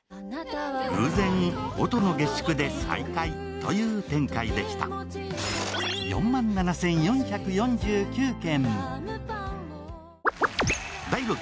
偶然音の下宿で再会という展開でした４万７４４９件